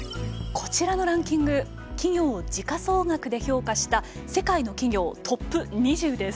こちらのランキング企業を時価総額で評価した世界の企業トップ２０です。